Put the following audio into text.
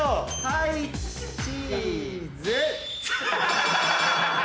はいチーズ。